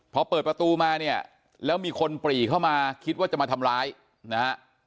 พอเปิดประตูมาเนี่ยแล้วมีคนปรีเข้ามาคิดว่าจะมาทำร้ายนะฮะ